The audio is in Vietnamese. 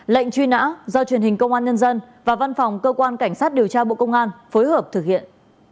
lệnh truy nã do truyền hình công an nhân dân và văn phòng cơ quan cảnh sát điều tra bộ công an phối hợp thực hiện